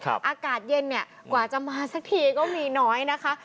อากาศเย็นเนี่ยกว่าจะมาสักทีก็มีน้อยนะคะ